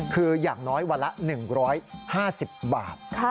คืออย่างน้อยวันละ๑๕๐บาท